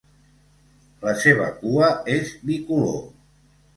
La seva cua és bicolor.